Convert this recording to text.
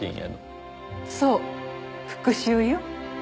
そう復讐よ。